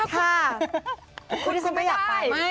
คุณไม่ได้